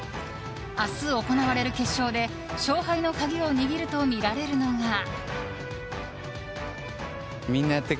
明日行われる決勝で勝敗の鍵を握るとみられるのが。